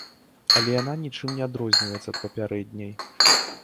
Але яна нічым не адрозніваецца ад папярэдняй.